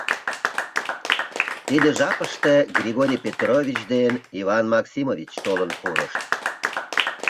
Тиде жапыште Григорий Петрович ден Иван Максимович толын пурышт.